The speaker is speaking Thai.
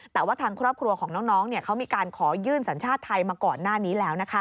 แต่ว่าทางครอบครัวของน้องเขามีการขอยื่นสัญชาติไทยมาก่อนหน้านี้แล้ว